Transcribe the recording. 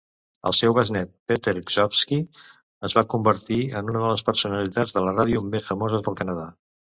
El seu besnét, Peter Gzowski, es va convertir en una de les personalitats de la ràdio més famoses del Canadà.